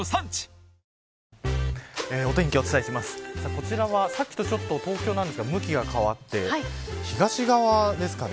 こちらは、さっきとちょっと違って向きが変わって東側ですかね。